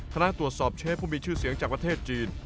คณะตรวจสอบเชฟผู้มีชื่อเสียงจากประเทศจีน